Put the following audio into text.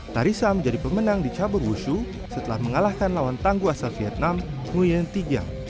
tarisa menjadi pemenang di cabur wushu setelah mengalahkan lawan tangguh asal vietnam nguyen tiang